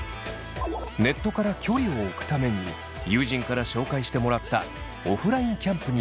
ネットから距離をおくために友人から紹介してもらったオフラインキャンプに参加します。